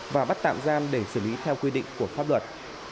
và bắt tạm giam để xử lý theo quy định của pháp luật